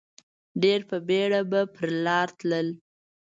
ډېر په بېړه به پر لار تلل.